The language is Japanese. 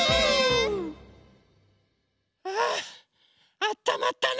ああったまったね。